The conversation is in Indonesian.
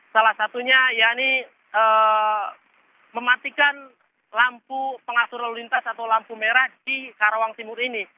salah satunya ya ini mematikan lampu pengasur lalu lintas atau lampu merah di karawang timur ini